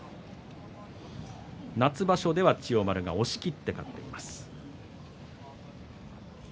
夏場所では千代丸が押しきって勝っています。